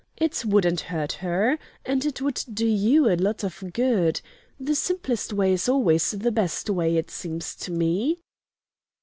It wouldn't hurt her, and it would do you a lot of good. The simplest way is always the best way, it seems to me."